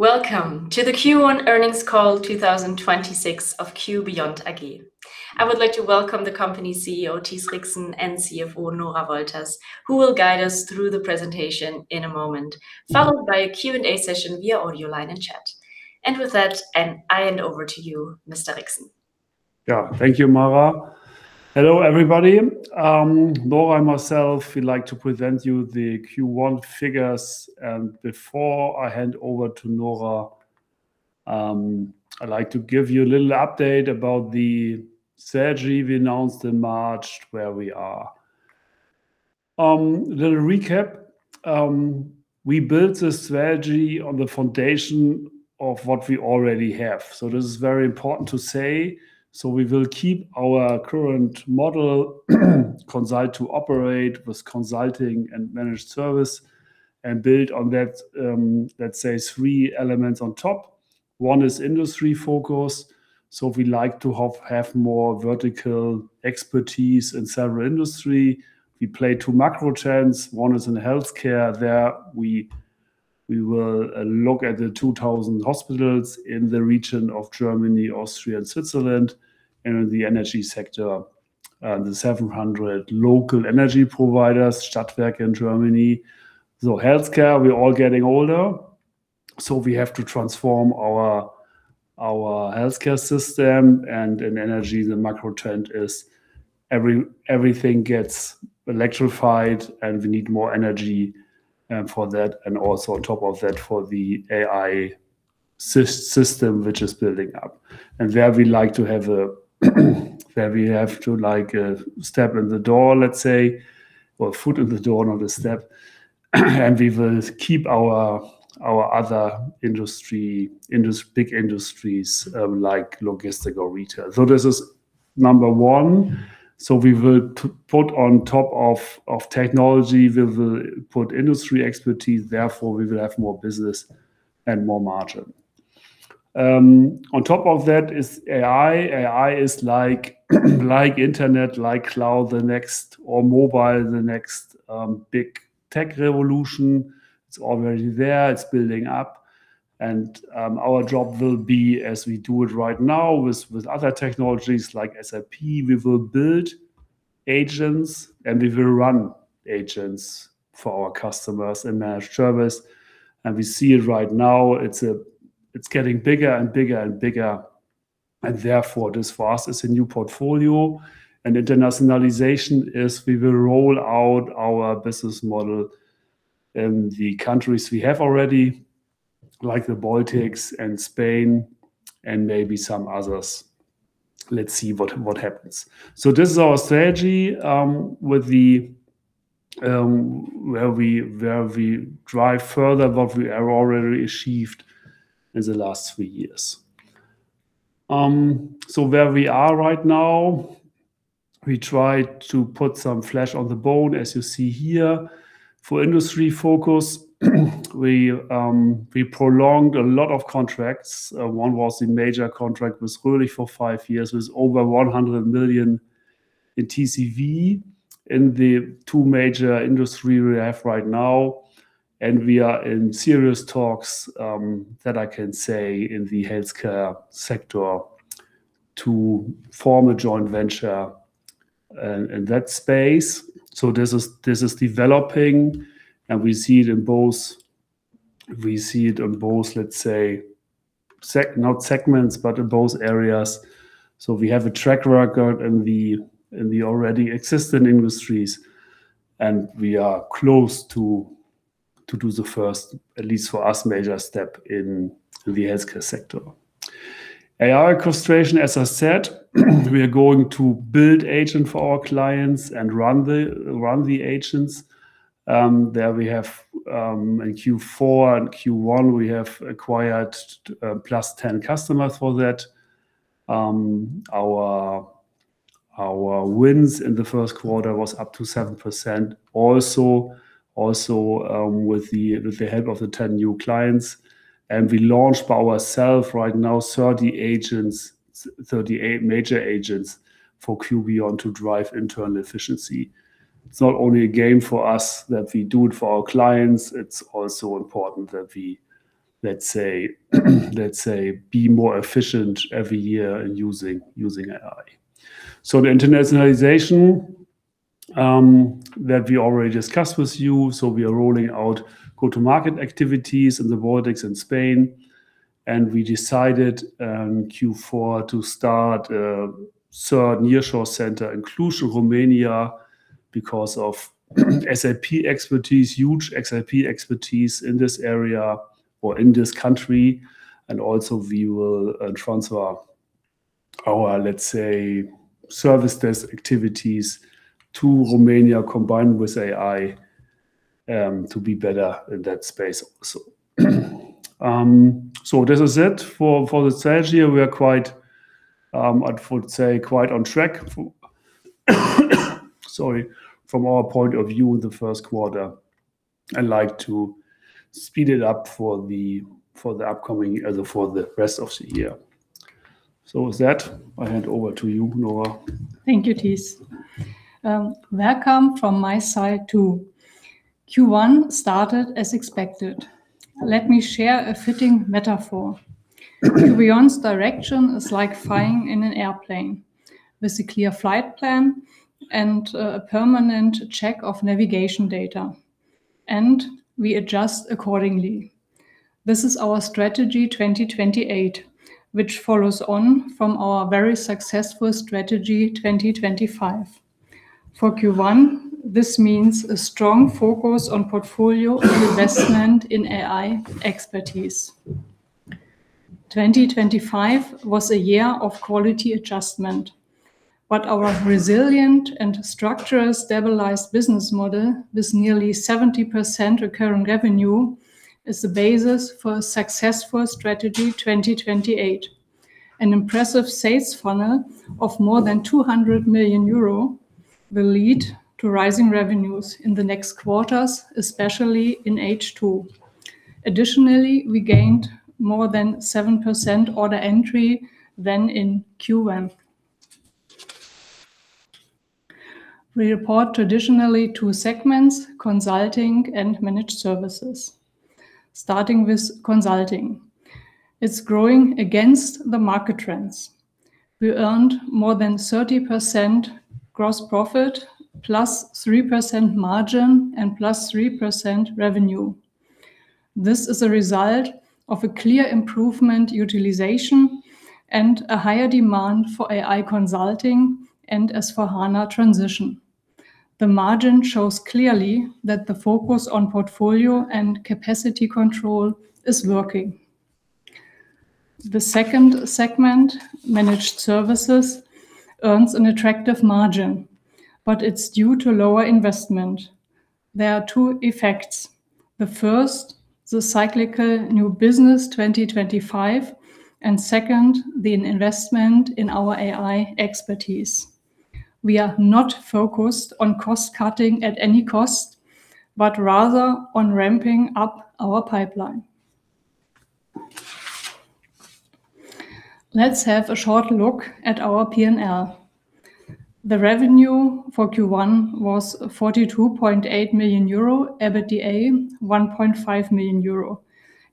Welcome to the Q1 earnings call 2026 of q.beyond AG. I would like to welcome the company CEO, Thies Rixen, and CFO, Nora Wolters, who will guide us through the presentation in a moment, followed by a Q&A session via audio line and chat. With that, I hand over to you, Mr. Rixen. Yeah. Thank you, Mara. Hello, everybody. Nora and myself would like to present you the Q1 figures. Before I hand over to Nora, I'd like to give you a little update about the strategy we announced in March, where we are. Little recap. We built a strategy on the foundation of what we already have. This is very important to say. We will keep our current model consult-to-operate with consulting and managed service and build on that, let's say three elements on top. One is industry focus. We like to have more vertical expertise in several industry. We play two macro trends. One is in healthcare. There we will look at the 2,000 hospitals in the region of Germany, Austria and Switzerland and in the energy sector, and the 700 local energy providers, Stadtwerke in Germany. Healthcare, we're all getting older, so we have to transform our healthcare system and in energy, the macro trend is everything gets electrified, and we need more energy for that. Also on top of that, for the AI system which is building up. There we have to like step in the door, let's say, or foot in the door, not a step. We will keep our other big industries, like logistic or retail. This is number one. We will put on top of technology, we will put industry expertise, therefore we will have more business and more margin. On top of that is AI. AI is like internet, like cloud, or mobile, the next big tech revolution. It's already there. It's building up. Our job will be as we do it right now with other technologies like SAP, we will build agents, and we will run agents for our customers and managed services. We see it right now. It's getting bigger and bigger and bigger and therefore it is fast. It's a new portfolio. Internationalization is we will roll out our business model in the countries we have already, like the Baltics and Spain and maybe some others. Let's see what happens. This is our strategy, with the, where we, where we drive further what we have already achieved in the last three years. Where we are right now, we try to put some flesh on the bone, as you see here. For industry focus, we prolonged a lot of contracts. One was a major contract with [Röhlig] for five years with over 100 million in TCV in the two major industry we have right now. We are in serious talks, that I can say in the healthcare sector to form a joint venture in that space. This is developing, and we see it on both, let's say, not segments, but in both areas. We have a track record in the already existing industries, and we are close to do the first, at least for us, major step in the healthcare sector. AI orchestration, as I said, we are going to build agent for our clients and run the agents. There we have in Q4 and Q1, we have acquired +10 customers for that. Our wins in the first quarter was up to 7% with the help of the 10 new clients. We launched by ourself right now 30 agents, 38 major agents for q.beyond to drive internal efficiency. It's not only a game for us that we do it for our clients, it's also important that we be more efficient every year in using AI. The internationalization that we already discussed with you. We are rolling out go-to-market activities in the Baltics and Spain, and we decided in Q4 to start a third nearshore center in Cluj, Romania because of SAP expertise, huge SAP expertise in this area or in this country. We will transfer our, let's say, service desk activities to Romania combined with AI to be better in that space also. This is it. For the strategy, we are quite, I'd say quite on track. Sorry. From our point of view in the first quarter. I'd like to speed it up for the rest of the year. With that, I hand over to you, Nora. Thank you, Thies. Welcome from my side too. Q1 started as expected. Let me share a fitting metaphor. q.beyond's direction is like flying in an airplane with a clear flight plan and a permanent check of navigation data, and we adjust accordingly. This is our Strategy 2028, which follows on from our very successful Strategy 2025. For Q1, this means a strong focus on portfolio and investment in AI expertise. 2025 was a year of quality adjustment, but our resilient and structural stabilized business model, with nearly 70% recurring revenue, is the basis for a successful Strategy 2028. An impressive sales funnel of more than 200 million euro will lead to rising revenues in the next quarters, especially in H2. Additionally, we gained more than 7% order entry than in Q1. We report traditionally two segments, consulting and managed services. Starting with consulting. It's growing against the market trends. We earned more than 30% gross profit, +3% margin, and +3% revenue. This is a result of a clear improvement utilization and a higher demand for AI consulting and S/4HANA transition. The margin shows clearly that the focus on portfolio and capacity control is working. The second segment, managed services, earns an attractive margin, it's due to lower investment. There are two effects. The first, the cyclical new business 2025, and second, the investment in our AI expertise. We are not focused on cost-cutting at any cost, but rather on ramping up our pipeline. Let's have a short look at our P&L. The revenue for Q1 was 42.8 million euro, EBITDA 1.5 million euro.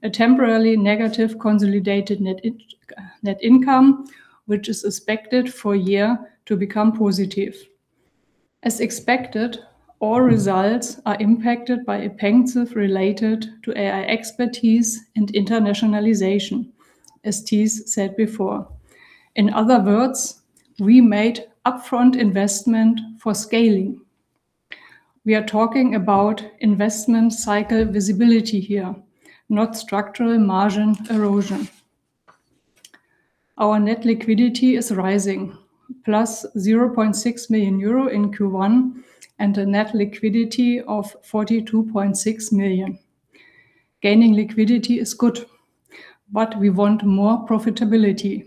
A temporarily negative consolidated net income, which is expected for year to become positive. As expected, all results are impacted by expenses related to AI expertise and internationalization, as Thies said before. In other words, we made upfront investment for scaling. We are talking about investment cycle visibility here, not structural margin erosion. Our net liquidity is rising, plus 0.6 million euro in Q1, and a net liquidity of 42.6 million. Gaining liquidity is good, but we want more profitability.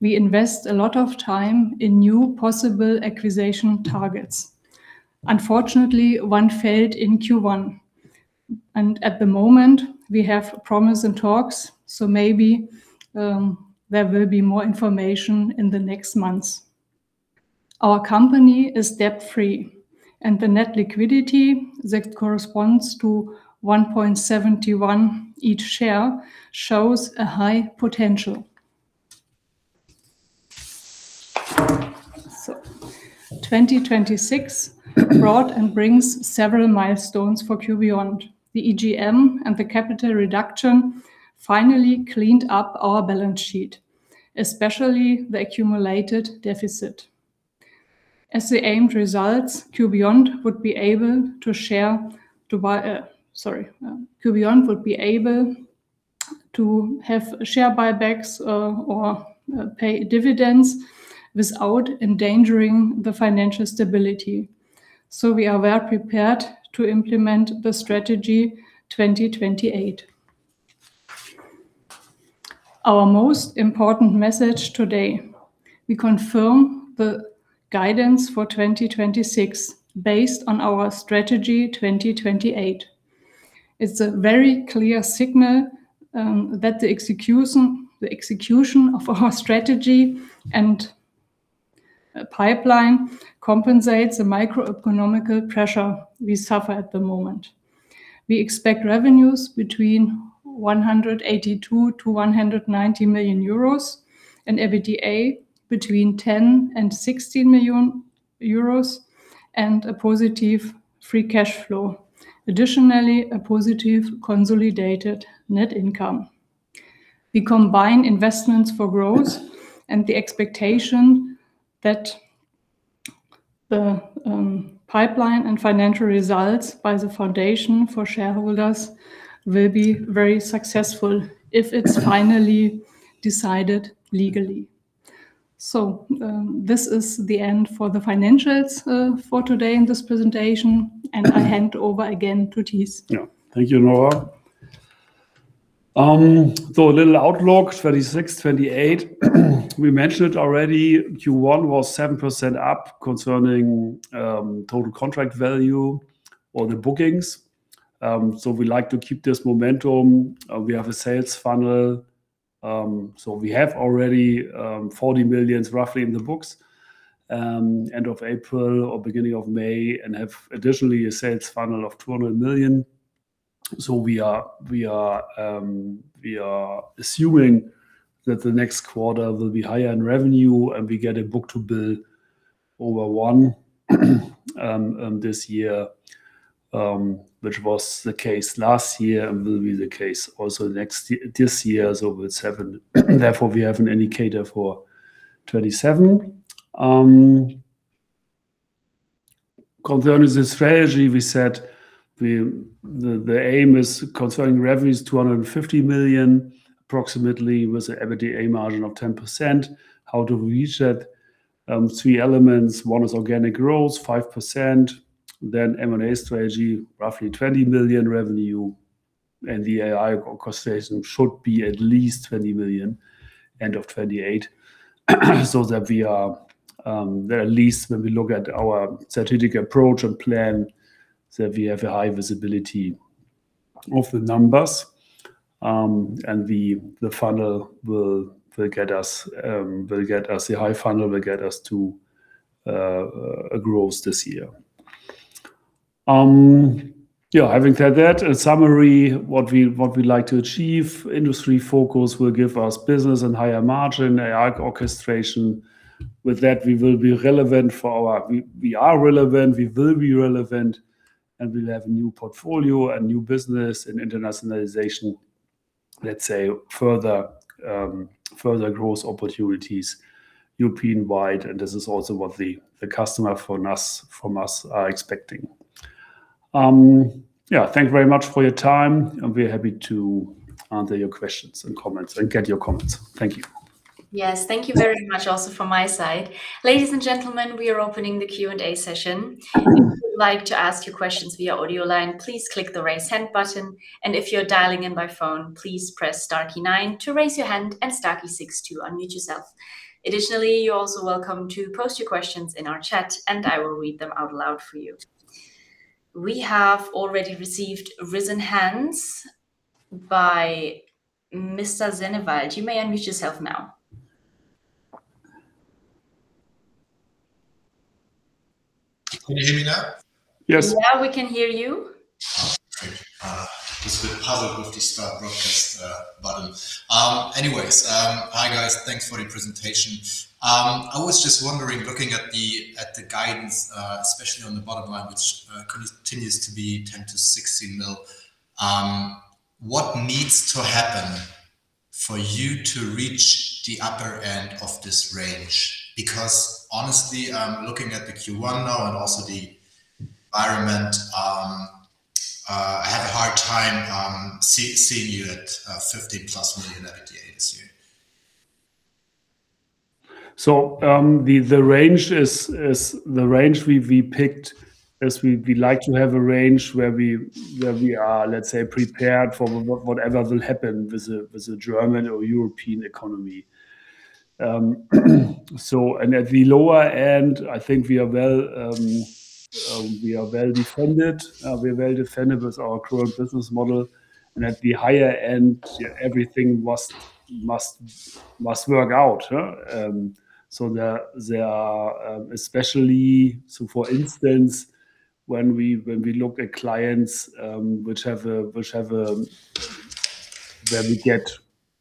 We invest a lot of time in new possible acquisition targets. Unfortunately, one failed in Q1, and at the moment we have promising talks, so maybe there will be more information in the next months. Our company is debt-free, and the net liquidity, that corresponds to 1.71 each share, shows a high potential. 2026 brought and brings several milestones for q.beyond. The EGM and the capital reduction finally cleaned up our balance sheet, especially the accumulated deficit. As the aimed results, q.beyond would be able to have share buybacks or pay dividends without endangering the financial stability. We are well prepared to implement the Strategy 2028. Our most important message today, we confirm the guidance for 2026 based on our Strategy 2028. It's a very clear signal that the execution of our strategy and pipeline compensates the microeconomical pressure we suffer at the moment. We expect revenues between 182 million-190 million euros, and EBITDA between 10 million-16 million euros, and a positive free cash flow. Additionally, a positive consolidated net income. We combine investments for growth and the expectation that the pipeline and financial results by the foundation for shareholders will be very successful if it's finally decided legally. This is the end for the financials for today in this presentation, and I hand over again to Thies. Thank you, Nora. A little outlook, 2026, 2028. We mentioned already Q1 was 7% up concerning total contract value or the bookings. We like to keep this momentum. We have a sales funnel. We have already 40 million roughly in the books end of April or beginning of May, and have additionally a sales funnel of 200 million. We are assuming that the next quarter will be higher in revenue, and we get a book-to-bill over 1 this year, which was the case last year and will be the case also this year as well with 2027. Therefore, we have an indicator for 2027. Concerning the strategy, we said the aim is concerning revenues 250 million approximately, with an EBITDA margin of 10%. How do we reach that? Three elements. One is organic growth, 5%. M&A strategy, roughly 20 million revenue. The AI orchestration should be at least 20 million end of 2028. That we are, there are at least when we look at our strategic approach and plan, that we have a high visibility of the numbers. The funnel will get us, the high funnel will get us to a growth this year. Having said that, in summary, what we'd like to achieve, industry focus will give us business and higher margin AI orchestration. With that, we will be relevant. We are relevant, we will be relevant, and we will have new portfolio and new business and internationalization, let's say further growth opportunities European-wide, and this is also what the customer from us are expecting. Yeah. Thank you very much for your time, and we are happy to answer your questions and comments, and get your comments. Thank you. Yes. Thank you very much also from my side. Ladies and gentlemen, we are opening the Q&A session. If you would like to ask your questions via audio line, please click the Raise Hand button. If you're dialing in by phone, please press star key nine to raise your hand and star key six to unmute yourself. Additionally, you're also welcome to post your questions in our chat, and I will read them out loud for you. We have already received raised hands by Mr. Sennewald. You may unmute yourself now. Can you hear me now? Yes. Now we can hear you. Great. There's a bit of power with this broadcast button. Hi guys. Thanks for the presentation. I was just wondering, looking at the guidance, especially on the bottom line, which continues to be 10 million to 16 million, what needs to happen for you to reach the upper end of this range? Honestly, looking at the Q1 now and also the environment, I have a hard time seeing you at 15+ million EBITDA this year. The range is the range we picked as we like to have a range where we are, let's say, prepared for whatever will happen with the German or European economy. At the lower end, I think we are well defended with our current business model. At the higher end, yeah, everything must work out, huh? There are, for instance, when we look at clients, where we get,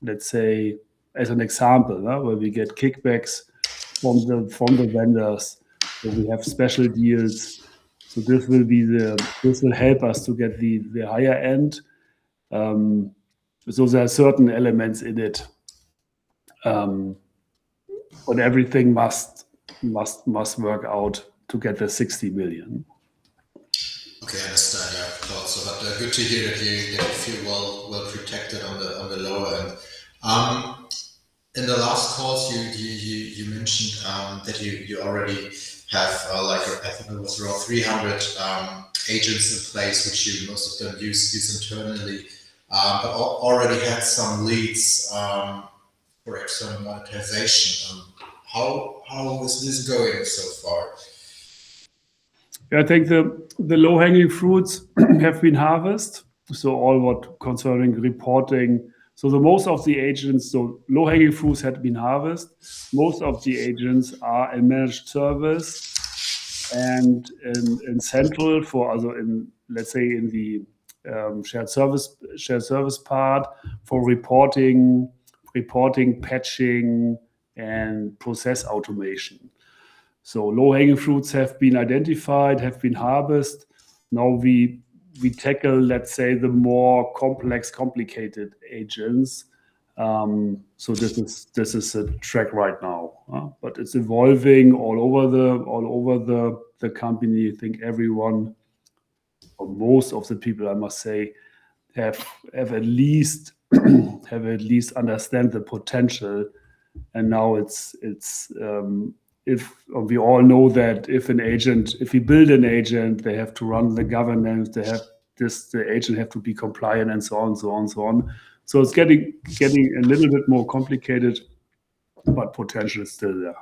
let's say as an example, huh, where we get kickbacks from the vendors, where we have special deals. This will help us to get the higher end. There are certain elements in it, but everything must work out to get the 16 million. Okay. I understand. Yeah. Of course. Good to hear that you feel well protected on the lower end. In the last call, you mentioned that you already have like I think it was around 300 agents in place, which you most of them use this internally, but already had some leads for external monetization. How is this going so far? Yeah, I think the low-hanging fruits have been harvest. All what concerning reporting. The most of the agents, so low-hanging fruits had been harvest. Most of the agents are a managed service and central for other in, let's say, in the shared service part for reporting, patching, and process automation. Low-hanging fruits have been identified, have been harvest. Now we tackle, let's say, the more complex, complicated agents. This is a track right now, huh? It's evolving all over the company. I think everyone or most of the people, I must say, have at least understand the potential. Now it's, if We all know that if you build an agent, they have to run the governance. The agent have to be compliant, and so on. It's getting a little bit more complicated, but potential is still there.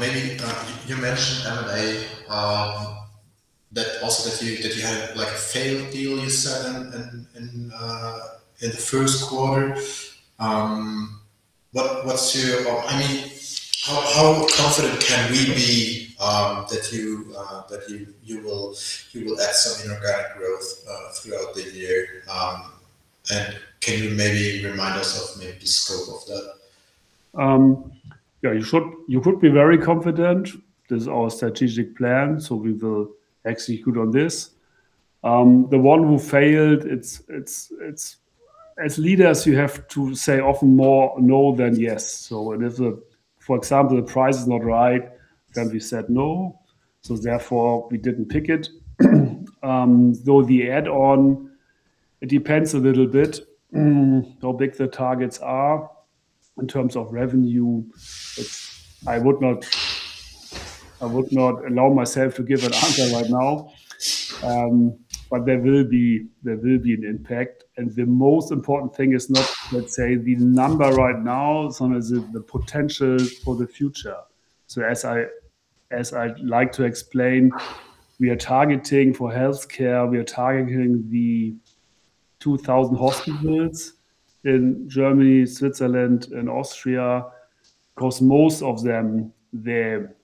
Maybe you mentioned M&A, that also that you, that you had like a failed deal you said in the first quarter. What's your I mean, how confident can we be that you will add some inorganic growth throughout the year? Can you maybe remind us of maybe the scope of that? Yeah, you could be very confident. This is our strategic plan, so we will execute on this. The one who failed, it's, as leaders, you have to say often more no than yes. So if, for example, the price is not right, then we said no, so therefore we didn't pick it. Though the add-on, it depends a little bit, how big the targets are in terms of revenue. I would not allow myself to give an answer right now. But there will be an impact. And the most important thing is not, let's say, the number right now, so much as the potential for the future. So as I like to explain, we are targeting for healthcare. We are targeting the 2,000 hospitals in Germany, Switzerland and Austria. Most of them, they're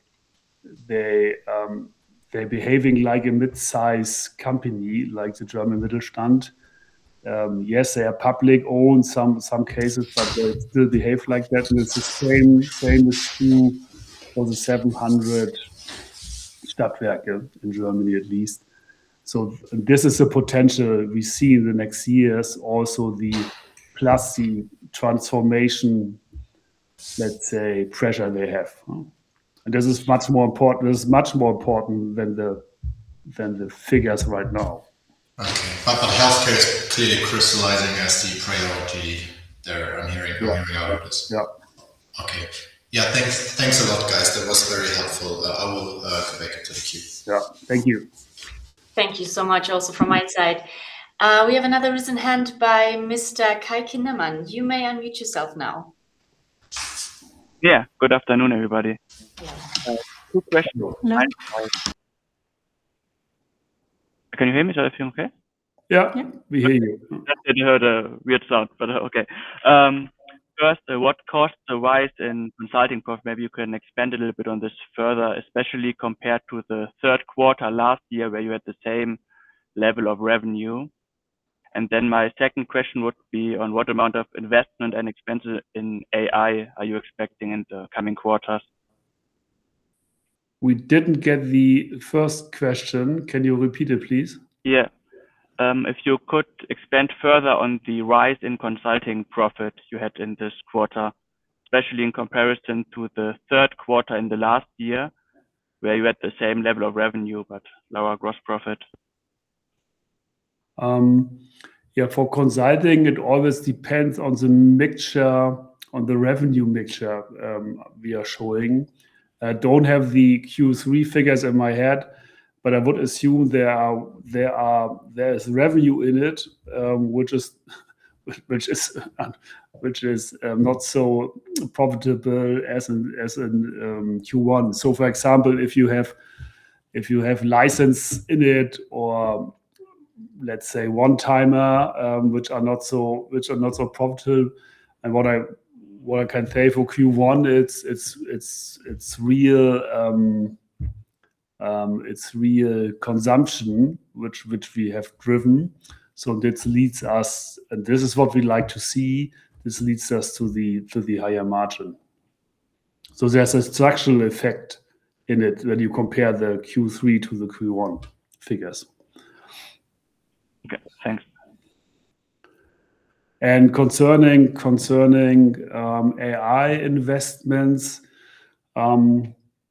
behaving like a mid-size company like the German Mittelstand. Yes, they are public-owned some cases, but they still behave like that and it's the same is true for the 700 Stadtwerke in Germany at least. This is the potential we see in the next years. Plus the transformation, let's say, pressure they have, huh? This is much more important than the figures right now. Okay. Healthcare is clearly crystallizing as the priority there, I'm hearing. Yeah I'm hearing out of this. Yeah. Okay. Yeah, thanks a lot, guys. That was very helpful. I will go back into the queue. Yeah. Thank you. Thank you so much also from my side. We have another risen hand by Mr. Kai Kindermann. You may unmute yourself now. Yeah. Good afternoon, everybody. Two questions. Hello? Can you hear me? Is everything okay? Yeah. Yeah. We hear you. I think I heard a weird sound, but okay. First, what caused the rise in consulting cost? Maybe you can expand a little bit on this further, especially compared to the third quarter last year where you had the same level of revenue. My second question would be on what amount of investment and expenses in AI are you expecting in the coming quarters? We didn't get the first question. Can you repeat it, please? Yeah. If you could expand further on the rise in consulting profit you had in this quarter, especially in comparison to the third quarter in the last year, where you had the same level of revenue but lower gross profit. Yeah, for consulting, it always depends on the mixture, on the revenue mixture, we are showing. I don't have the Q3 figures in my head, but I would assume there's revenue in it, which is not so profitable as in Q1. For example, if you have license in it or let's say one-timer, which are not so profitable. What I can say for Q1, it's real consumption which we have driven. This is what we like to see. This leads us to the higher margin. There's a structural effect in it when you compare the Q3 to the Q1 figures. Okay, thanks. Concerning AI investments,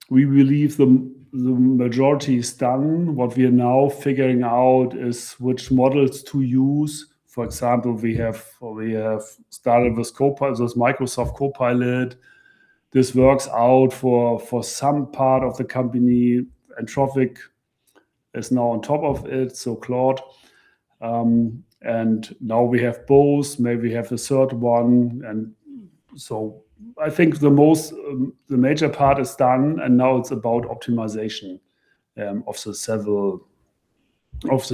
we believe the majority is done. What we are now figuring out is which models to use. For example, we have started with Copilot, so it's Microsoft Copilot. Anthropic is now on top of it, so Claude. Now we have both. Maybe we have a third one. I think the major part is done, and now it's about optimization of the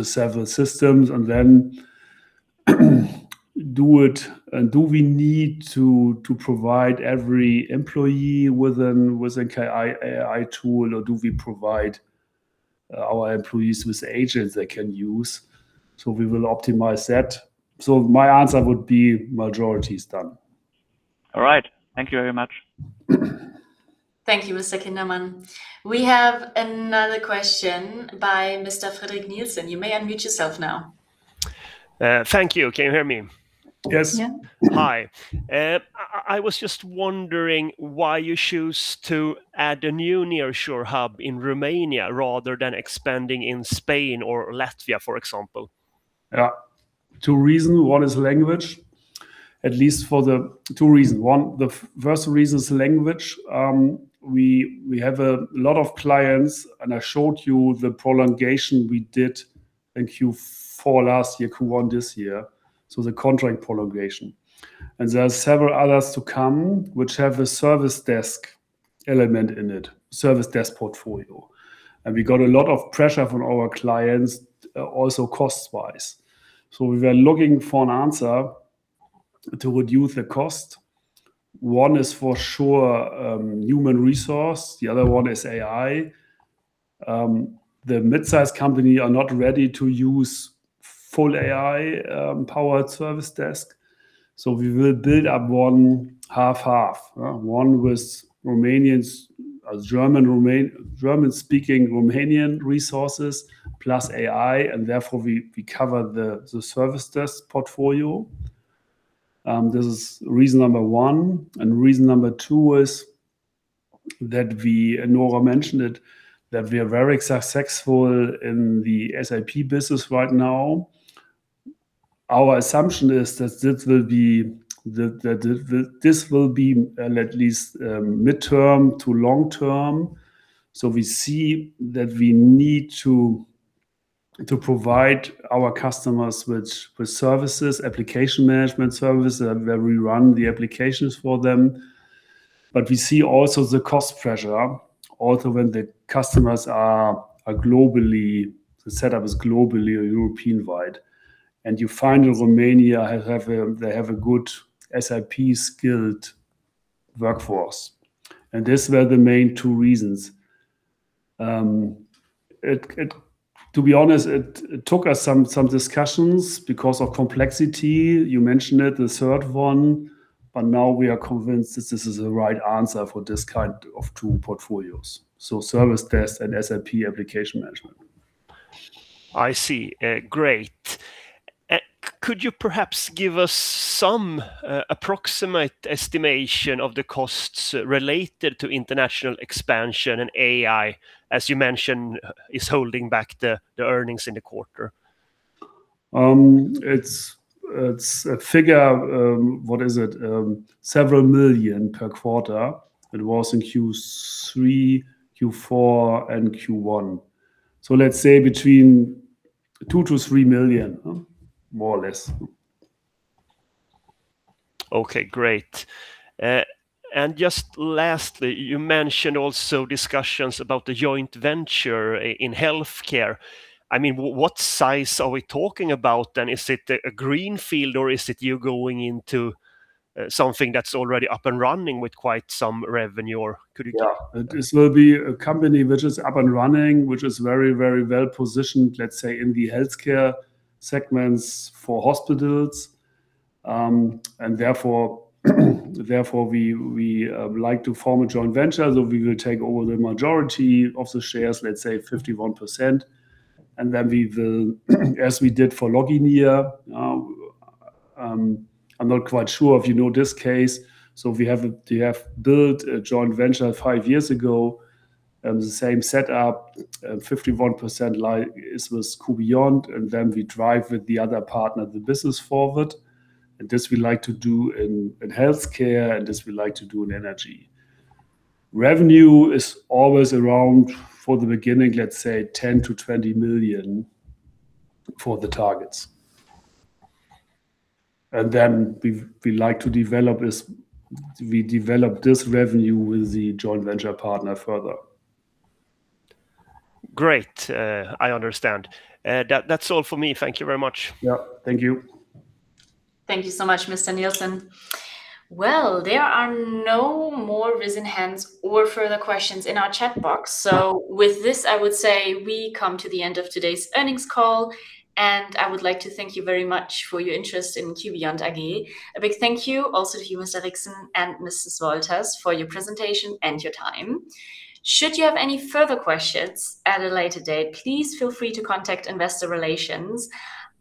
several systems. Do we need to provide every employee with an AI tool, or do we provide our employees with agents they can use? We will optimize that. My answer would be majority is done. All right. Thank you very much. Thank you, Mr. Kindermann. We have another question by Mr. Frederik Nilsson. You may unmute yourself now. Thank you. Can you hear me? Yes. Yeah. Hi. I was just wondering why you choose to add a new nearshore hub in Romania rather than expanding in Spain or Latvia, for example? Yeah. Two reason. One is language. Two reason. One, the first reason is language. We have a lot of clients, and I showed you the prolongation we did in Q4 last year, Q1 this year, so the contract prolongation. There are several others to come which have a service desk element in it, service desk portfolio. We got a lot of pressure from our clients. Also cost-wise, we were looking for an answer to reduce the cost. One is for sure, human resource. The other one is AI. The midsize company are not ready to use full AI powered service desk, we will build up one half-half. One with Romanians, German-speaking Romanian resources plus AI, therefore we cover the service desk portfolio. This is reason number one. Reason number two is that we, Nora mentioned it, that we are very successful in the SAP business right now. Our assumption is that this will be at least midterm to long-term. We see that we need to provide our customers with services, application management services, where we run the applications for them. We see also the cost pressure, also when the customers are globally or European-wide. You find in Romania they have a good SAP-skilled workforce. These were the main two reasons. To be honest, it took us some discussions because of complexity. You mentioned it, the third one. Now we are convinced that this is the right answer for this kind of two portfolios, so service desk and SAP application management. I see. Great. Could you perhaps give us some approximate estimation of the costs related to international expansion and AI, as you mentioned, is holding back the earnings in the quarter? It's a figure, what is it? Several million per quarter. It was in Q3, Q4, and Q1. Let's say between 2 million-3 million, huh? More or less. Okay, great. Just lastly, you mentioned also discussions about the joint venture in healthcare. What size are we talking about then? Is it a greenfield or is it you're going into something that's already up and running with quite some revenue or could you talk about that? Yeah. This will be a company which is up and running, which is very, very well positioned, let's say, in the healthcare segments for hospitals. Therefore, we would like to form a joint venture. We will take over the majority of the shares, let's say 51%, we will, as we did for logineer, I'm not quite sure if you know this case. We have built a joint venture five years ago, the same setup, 51%, like, is with q.beyond, we drive with the other partner the business forward. This we like to do in healthcare and this we like to do in energy. Revenue is always around, for the beginning, let's say 10 million-20 million for the targets. We develop this revenue with the joint venture partner further. Great. I understand. That's all for me. Thank you very much. Yeah. Thank you. Thank you so much, Mr. Nilsson. There are no more risen hands or further questions in our chat box. With this, I would say we come to the end of today's earnings call, and I would like to thank you very much for your interest in q.beyond AG. A big thank you also to you, Mr. Rixen and Mrs. Wolters for your presentation and your time. Should you have any further questions at a later date, please feel free to contact investor relations.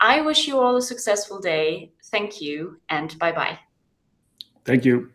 I wish you all a successful day. Thank you, and bye-bye. Thank you.